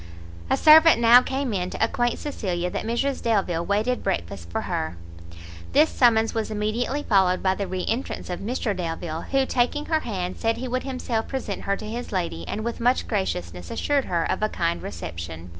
A servant now came in, to acquaint Cecilia that Mrs Delvile waited breakfast for her. This summons was immediately followed by the re entrance of Mr Delvile, who, taking her hand, said he would himself present her to his lady, and with much graciousness assured her of a kind reception.